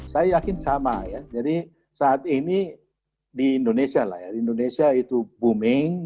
saya yakin sama ya jadi saat ini di indonesia lah ya di indonesia itu booming